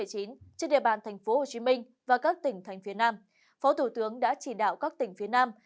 trên địa bàn thành phố hồ chí minh và các tỉnh thành phía nam phó thủ tướng đã chỉ đạo các tỉnh phía nam